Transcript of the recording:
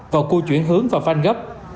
và cua chuyển hướng vào vanh gấp